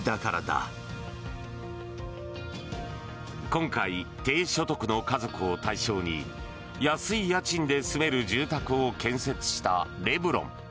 今回、低所得の家族を対象に安い家賃で住める住宅を建設したレブロン。